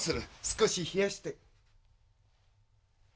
少し冷やして。